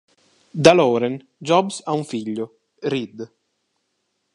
Da Lauren, Jobs ha un figlio, Reed.